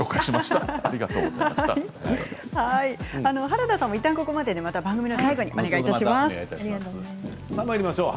原田さんもいったんここまでで番組の最後にお願いします。